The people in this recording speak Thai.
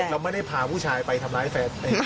เราไม่ได้พาผู้ชายไปทำร้ายแฟน